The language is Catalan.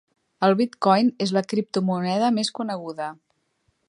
El bitcoin és la criptomoneda més coneguda.